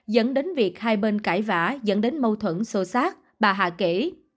dẫn đến việc hai bên cãi vã dẫn đến mâu thuẫn sô sát bà hạ kể